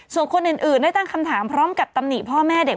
ส่วนคนอื่นได้ตั้งคำถามพร้อมกับตำหนิพ่อแม่เด็ก